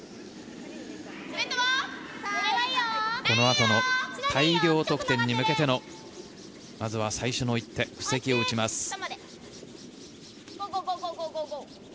このあとの大量得点に向けてのまずは最初の一手布石を打ちます。